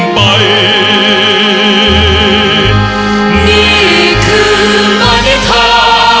ไม่เร่รวนภาวะผวังคิดกังคัน